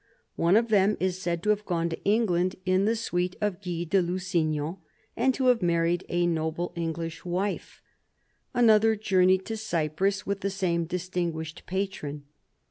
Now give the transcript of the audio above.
One of them is said to have gone to England in the suite of Guy de Lusignan, and to have married a noble English wife. Another journeyed to Cyprus with the same distinguished patron.